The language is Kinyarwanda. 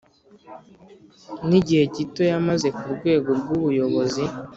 nigihe gito yamaze kurwego rwubuyobozi